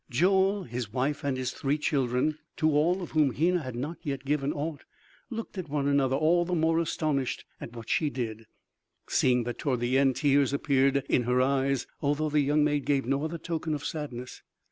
Joel, his wife and his three children, to all of whom Hena had not yet given aught, looked at one another all the more astonished at what she did, seeing that towards the end tears appeared in her eyes although the young maid gave no other token of sadness.